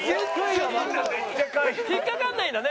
引っかからないんだね。